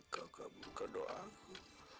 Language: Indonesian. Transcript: kau kabur ke doaku